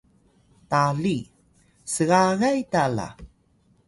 Tali: sgagay ta la